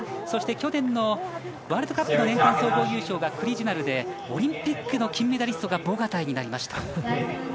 そして、去年のワールドカップの年間総合優勝がクリジュナルでオリンピックの金メダリストがボガタイになりました。